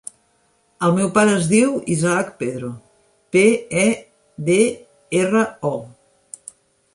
El meu pare es diu Isaac Pedro: pe, e, de, erra, o.